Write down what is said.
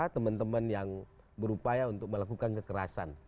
teman teman yang berupaya untuk melakukan kekerasan